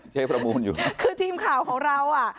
เชประมูลอยู่คือทีมข่าวของเราอ่ะ